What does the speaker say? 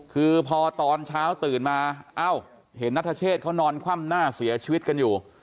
คือพอตอนเช้าตื่นมาเอ้าเห็นนัทเชษเขานอนคว่ำหน้าเสียชีวิตกันอยู่